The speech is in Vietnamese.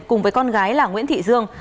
cùng với con gái là nguyễn thị dương